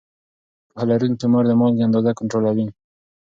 پوهه لرونکې مور د مالګې اندازه کنټرولوي.